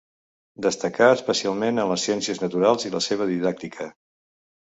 Destacà especialment en les ciències naturals i la seva didàctica.